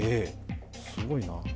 すごいな。